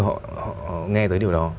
họ chưa bao giờ nghe tới điều đó